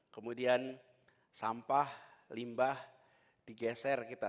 kemudian sampah limbah digeser kita